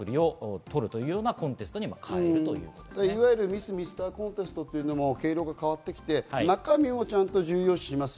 「ミス／ミスターコンテスト」というのも毛色が変わって来て、中身をちゃんと重要視します。